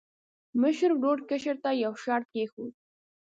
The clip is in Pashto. مشر ورور کشر ته یو شرط کېښود.